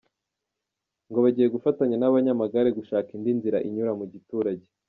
Ngo bagiye gufatanya n’abanyamagare gushaka indi nzira inyura mu giturage.